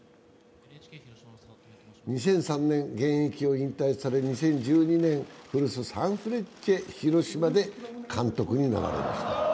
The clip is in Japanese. ２００３年、現役を引退され、２０１２年、古巣サンフレッチェ広島で監督になられました。